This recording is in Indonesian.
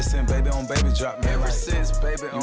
kita vote dulu aja di ya